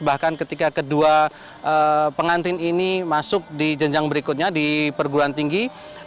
bahkan ketika kedua pengantin ini masuk di jenjang berikutnya di perguruan tinggi